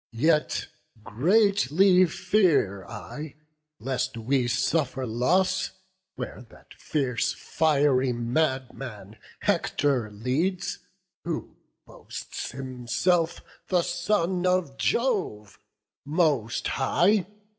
Yet greatly fear I lest we suffer loss, Where that fierce, fiery madman, Hector, leads. Who boasts himself the son of Jove most high.